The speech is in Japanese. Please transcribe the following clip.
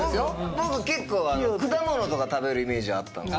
僕結構果物とか食べるイメージあった。